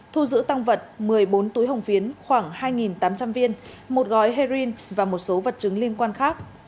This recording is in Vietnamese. thu giữ tăng vật một mươi bốn túi hồng phiến khoảng hai tám trăm linh viên một gói heroin và một số vật chứng liên quan khác